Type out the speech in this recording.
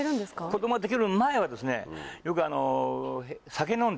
子供ができる前はですねよく。